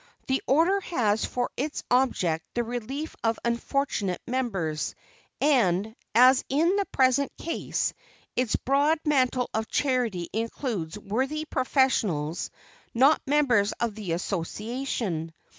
The order has for its object the relief of unfortunate members, and, as in the present case, its broad mantle of charity includes worthy professionals not members of the Association.